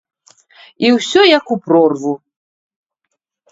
І ўсё як у прорву.